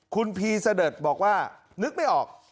คุณพีเสด็จบอกว่านึกไม่ออก